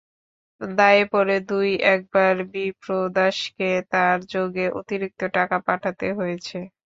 দায়ে পড়ে দুই-একবার বিপ্রদাসকে তার-যোগে অতিরিক্ত টাকা পাঠাতে হয়েছে।